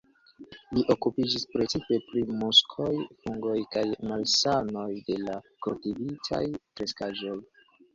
Li okupiĝis precipe pri muskoj, fungoj kaj malsanoj de la kultivitaj kreskaĵoj.